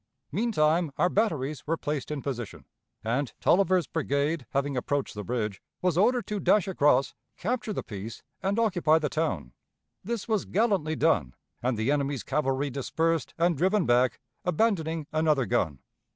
Meantime our batteries were placed in position, and, Taliaferro's brigade having approached the bridge, was ordered to dash across, capture the piece, and occupy the town. This was gallantly done, and the enemy's cavalry dispersed and driven back, abandoning another gun.